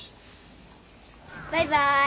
バイバイ。